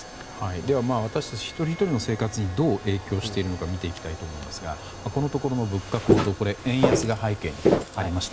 では私たち一人ひとりの生活にどう影響しているのかを見ていきたいと思うんですがこのところの物価高騰には円安が背景にありました。